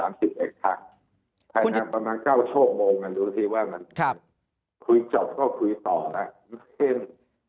วันนี้๓๑ทางประมาณ๙โชคโมงดูสิว่ามันคุยจบก็คุยต่อแล้ว